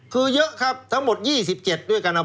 คือเยอะครับทั้งหมด๒๗ด้วยกันนะครับ